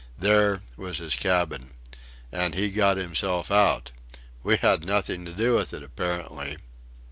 "There" was his cabin. And he got himself out. We had nothing to do with it apparently!...